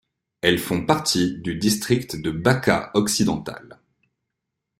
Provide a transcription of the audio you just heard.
Elles font partie du district de Bačka occidentale.